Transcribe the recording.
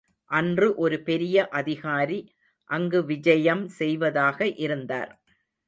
அன்று ஒரு பெரிய அதிகாரி அங்கு விஜயம் செய்வதாக இருந்தார்.